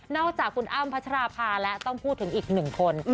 จากคุณอ้ำพัชราภาและต้องพูดถึงอีกหนึ่งคน